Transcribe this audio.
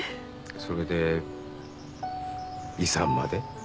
それで遺産まで？